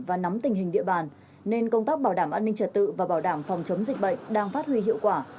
và nắm tình hình địa bàn nên công tác bảo đảm an ninh trật tự và bảo đảm phòng chống dịch bệnh đang phát huy hiệu quả